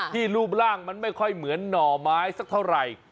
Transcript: รูปร่างมันไม่ค่อยเหมือนหน่อไม้สักเท่าไหร่